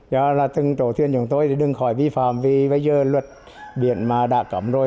do là từng chủ thuyền chúng tôi đừng khỏi vi phạm vì bây giờ luật biển mà đã cấm rồi